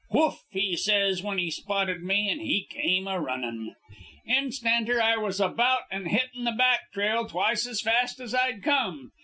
"'Whoof!' he says when he spotted me, and he came a runnin.' "Instanter I was about and hittin' the back trail twice as fast as I'd come.